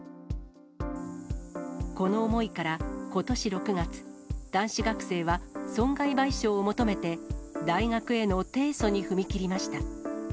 この思いから、ことし６月、男子学生は、損害賠償を求めて、大学への提訴に踏み切りました。